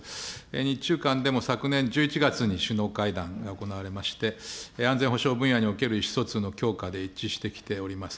日中間でも昨年１１月に首脳会談が行われまして、安全保障分野における意思疎通の強化で一致してきております。